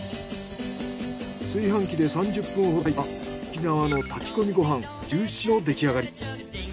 炊飯器で３０分ほど炊いたら沖縄の炊き込みご飯ジューシーの出来上がり。